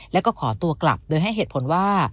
แล้วก็ขอตัวกลับโดยให้เหตุผลว่า